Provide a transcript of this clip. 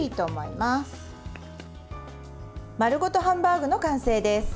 まるごとハンバーグの完成です。